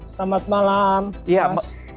selamat malam mas